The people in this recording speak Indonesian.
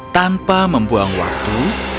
tanpa membuang waktu